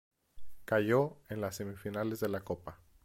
Cayó en las semifinales de la Copa.